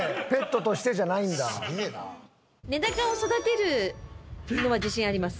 メダカを育てるのは自信あります。